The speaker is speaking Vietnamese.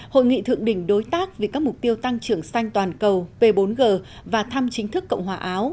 hội nghị thượng đỉnh đối tác vì các mục tiêu tăng trưởng xanh toàn cầu p bốn g và thăm chính thức cộng hòa áo